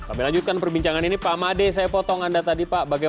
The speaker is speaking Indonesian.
umang mitter endlich menelusuri ke betapa har judgment disini dan riwayat ini